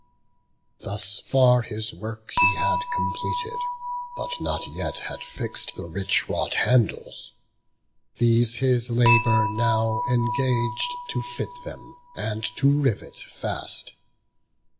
thus far his work He had completed; but not yet had fix'd The rich wrought handles; these his labour now Engag'd, to fit them, and to rivet fast.